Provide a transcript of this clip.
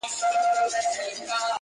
o اوړه يو مټ نه لري، تنورونه ئې شل دي٫